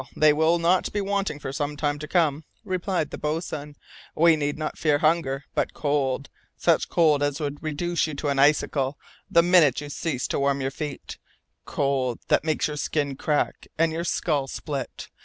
they will not be wanting for some time to come," replied the boatswain. "We need not fear hunger, but cold, such cold as would reduce you to an icicle the minute you cease to warm your feet cold that makes your skin crack and your skull split!